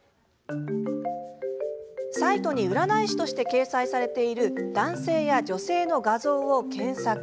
サイトに占い師として掲載されている男性や女性の画像を検索。